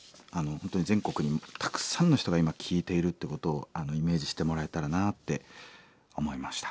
本当に全国にたくさんの人が今聴いているってことをイメージしてもらえたらなって思いました。